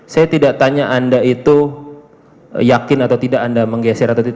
saya tidak tanya anda itu yakin atau tidak anda menggeser atau tidak